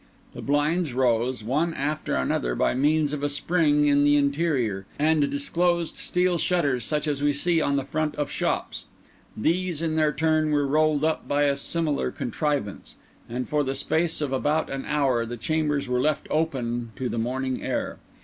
The blinds rose, one after another, by means of a spring in the interior, and disclosed steel shutters such as we see on the front of shops; these in their turn were rolled up by a similar contrivance; and for the space of about an hour, the chambers were left open to the morning air.